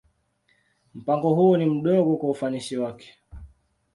Mpango huo ni mdogo kwa ufanisi wake.